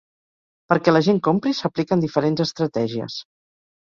Perquè la gent compri, s'apliquen diferents estratègies.